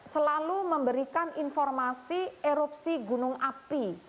selalu memberikan informasi erupsi gunung api